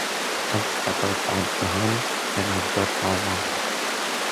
Ez heta saet dehan bênavber razam.